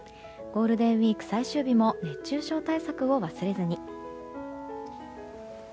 ゴールデンウィーク最終日も熱中症対策を忘れずに。